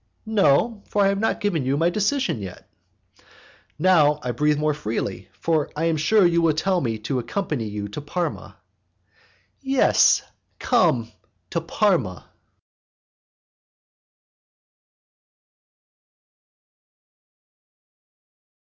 "No, for I have not given you my decision yet." "Now I breathe more freely, for I am sure you will tell me to accompany you to Parma." "Yes, come to Parma."